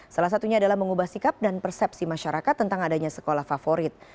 salah satunya adalah mengubah sikap dan persepsi masyarakat tentang adanya sekolah favorit